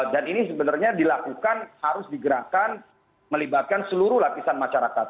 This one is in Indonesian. dan ini sebenarnya dilakukan harus digerakkan melibatkan seluruh lapisan masyarakat